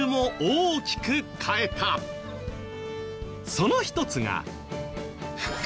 その１つが。